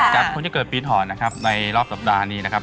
จากคนที่เกิดปีถอนนะครับในรอบสัปดาห์นี้นะครับ